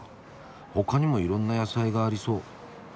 他にもいろんな野菜がありそう。